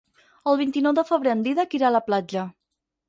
El vint-i-nou de febrer en Dídac irà a la platja.